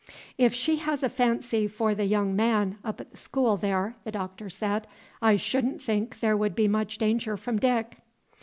"If she has a fancy for the young man up at the school there," the Doctor said, "I shouldn't think there would be much danger from Dick."